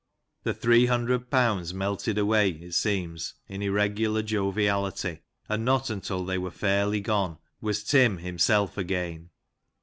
The three hundred pounds melted away, it seems, in irregular joviality, and not until they were fairly gone was Tim himself again.